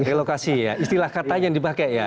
relokasi ya istilah katanya yang dipakai ya